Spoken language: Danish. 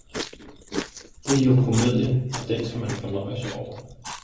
det er jo komedie, og den skal man fornøje sig over.